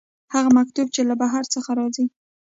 هغه مکتوب چې له بهر څخه راځي.